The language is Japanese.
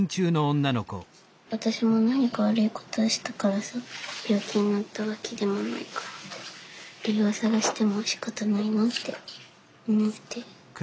私も何か悪いことをしたからさ病気になったわけでもないから理由を探してもしかたないなって思って。